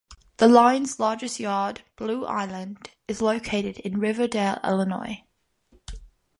The line's largest yard, Blue Island, is located in Riverdale, Illinois.